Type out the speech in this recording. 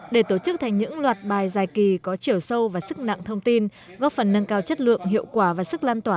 để tổ chức thành những loạt bài giải kỳ có chiều sâu và sức nặng thông tin góp phần nâng cao chất lượng hiệu quả và sức lan tỏa